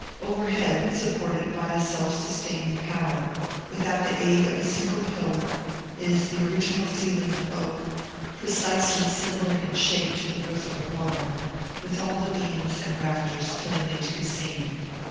Overhead, supported by a self sustaining power, without the aid of a single pillar, is the original ceiling of oak, precisely similar in shape to the roof of a barn, with all the beams and rafters plainly to be seen.